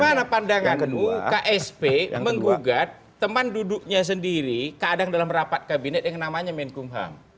bagaimana pandanganmu ksp menggugat teman duduknya sendiri kadang dalam rapat kabinet yang namanya menkumham